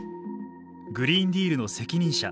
グリーンディールの責任者